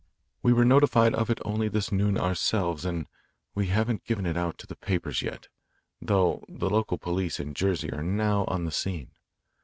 "We were notified of it only this noon ourselves, and we haven't given it out to the papers yet, though the local police in Jersey are now on the scene.